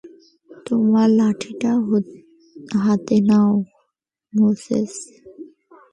তোমার লাঠিটা হাতে নাও, মোসেস।